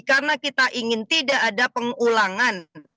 karena kita ingin tidak ada pengulangan